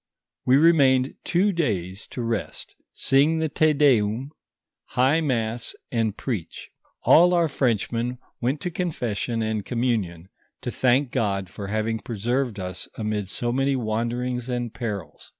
We remained two days to rest, sing the Te Deum, high mass, and preach. All our Frenchmen went to confession and communion, to thank God for having preserved us amid so many wanderings and perils.